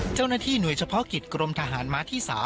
เจ้าหน้าที่หน่วยเฉพาะกิจกรมทหารม้าที่๓